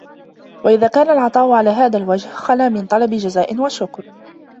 وَإِذَا كَانَ الْعَطَاءُ عَلَى هَذَا الْوَجْهِ خَلَا مِنْ طَلَبِ جَزَاءٍ وَشُكْرٍ